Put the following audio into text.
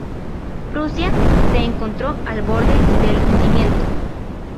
Prusia se encontró al borde del hundimiento.